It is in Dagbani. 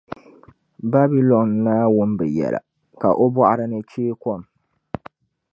Babilɔn naa wum bɛ yɛla, ka o bɔɣiri ni chee kom.